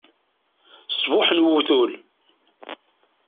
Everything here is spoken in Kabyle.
Ṣṣbuḥ n uwtul!